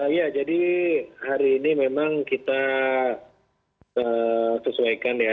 iya jadi hari ini memang kita sesuaikan ya